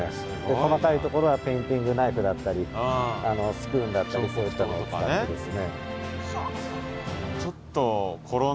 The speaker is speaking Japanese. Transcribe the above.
細かいところはペインティングナイフだったりスプーンだったりそういったものを使ってですね。